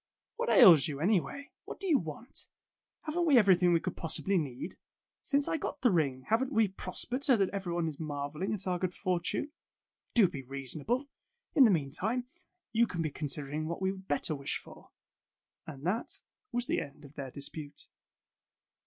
What ails you, anyway ? What do you want ? Haven't we everything we could possibly need ? ''Since I got the ring, haven't we pros pered so that everyone is marveling at our good fortune ? Do be reasonable. In the meantime, you can be considering what we would better wish for." And that was the end of their dispute.